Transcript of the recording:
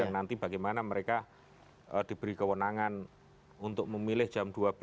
yang nanti bagaimana mereka diberi kewenangan untuk memilih jam dua belas